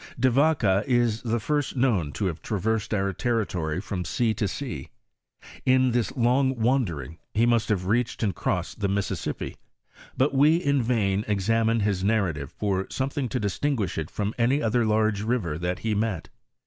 De Yaca is the first known to have traversed our territory from sea to sea. In this long wandering, he must have reached and crossed the Mississippi; but we in vain examine his narrative for something to distinguish it from any other large river that he met.